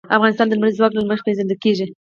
افغانستان د لمریز ځواک له مخې پېژندل کېږي.